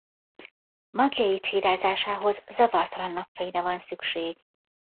Magjai csírázásához zavartalan napfényre van szükség.